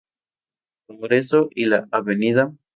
Congreso y la Av.